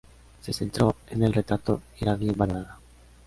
Se centró en el retrato y era bien valorada.